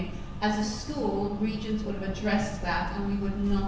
ในรับบุญของเราพอมีชีวิตที่เรียนสำหรับถึงเวลา๕ปี